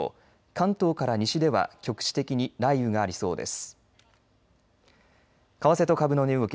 関東から西では局地的に雷雨がありそうです。